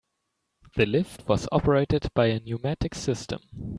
The lift was operated by a pneumatic system.